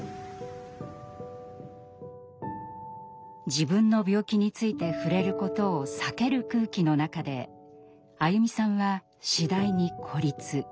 自分の病気について触れることを避ける空気の中でアユミさんは次第に孤立。